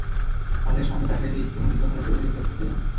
হলের সামনে তাঁকে রেখে স্ত্রী মণিকা হলের কর্মীদের খোঁজ করতে যান।